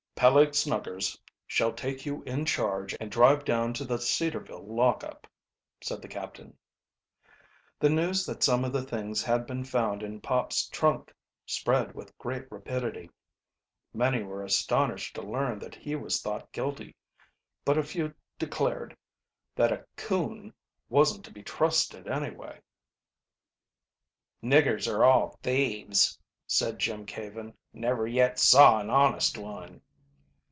"Peleg Snuggers shall take you in charge and drive down to the Cedarville lock up," said the captain. The news that some of the things had been found in Pop's trunk spread with great rapidity. Many were astonished to learn that he was thought guilty, but a few declared that "a coon wasn't to be trusted anyway." "Niggers are all thieves," said Jim Caven, "never yet saw an honest one."